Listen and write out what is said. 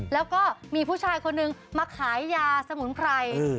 แล้วก็มีผู้ชายคนนึงมาขายยาสมุนไพร